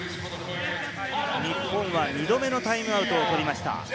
日本は２度目のタイムアウトを取りました。